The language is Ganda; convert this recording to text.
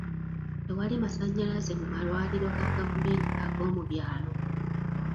Tewali masannyalaze mu malwaliro ga gavumenti ag'omu byalo.